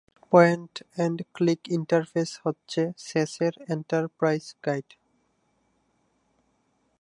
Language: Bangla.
স্যাস এর পয়েন্ট-এন্ড-ক্লিক ইন্টারফেস হচ্ছে স্যাস এর এন্টারপ্রাইজ গাইড।